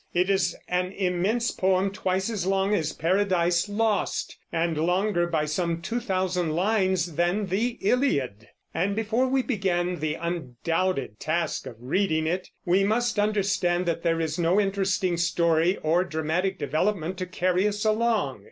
It is an immense poem, twice as long as Paradise Lost, and longer by some two thousand lines than the Iliad; and before we begin the undoubted task of reading it, we must understand that there is no interesting story or dramatic development to carry us along.